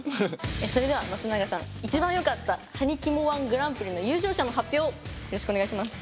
それでは松永さん一番よかったはにキモ１グランプリの優勝者の発表をよろしくお願いします。